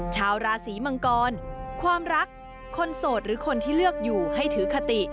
ชาวราศีมังกรความรักคนโสดหรือคนที่เลือกอยู่ให้ถือคติ